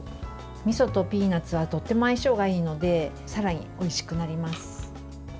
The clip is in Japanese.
みそとピーナツはとても相性がいいのでさらにおいしくなります。